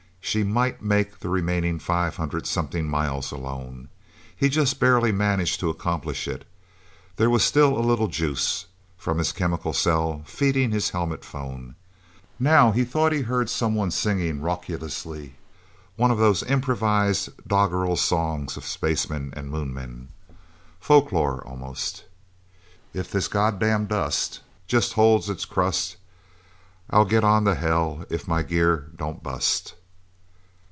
She might make the remaining five hundred something miles, alone...! He just barely managed to accomplish it... There was still a little juice, from his chemical cell, feeding his helmet phone... Now, he thought he heard someone singing raucously one of those improvised doggerel songs of spacemen and Moonmen... Folklore, almost... "If this goddam dust Just holds its crust, I'll get on to hell If my gear don't bust..."